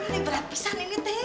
berat berat pisan ini t